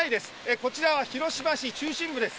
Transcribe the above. こちらは広島市中心部です。